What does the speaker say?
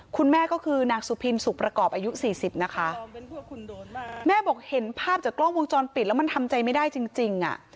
คุณแม่ก็คือนางสุพินสุขประกอบอายุสี่สิบนะคะแม่บอกเห็นภาพจากกล้องวงจรปิดแล้วมันทำใจไม่ได้จริงอ่ะ